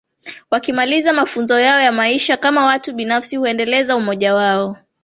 wakimaliza mafunzo yao ya maisha kama watu binafsi huendeleza umoja wao